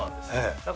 だから。